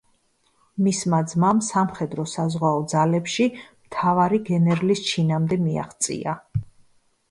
მისმა ძმამ სამხედრო-საზღვაო ძალებში მთავარი გენერლის ჩინამდე მიაღწია.